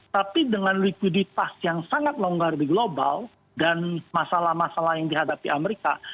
tapi dengan likuiditas yang sangat longgar di global dan masalah masalah yang dihadapi amerika